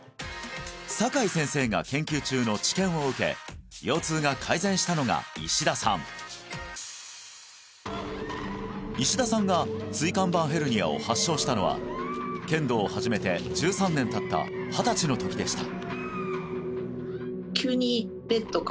酒井先生が研究中の治験を受け腰痛が改善したのが石田さん石田さんが椎間板ヘルニアを発症したのは剣道を始めて１３年たった二十歳のときでした